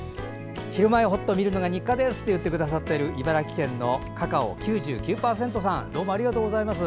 「ひるまえほっと」を見るのが日課ですと言ってくださっている茨城県のＣＡＣＡＯ９９％さんどうもありがとうございます。